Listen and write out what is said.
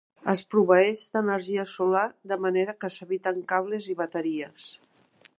Es proveeix d'energia solar, de manera que s'eviten cables i bateries.